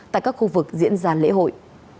tại các khu vực diễn ra lễ hội